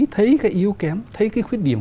thấy cái yếu kém thấy cái khuyết điểm